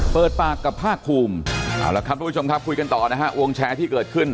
เปิดปากกับภาคคลุมคุยกันต่อนะฮะวงแชร์ที่เกิดขึ้น